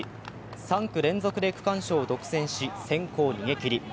３区連続で区間賞を独占し先行逃げきり。